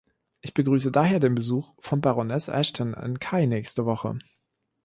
Ich begrüße daher den Besuch von Baroness Ashton in Kainächste Woche.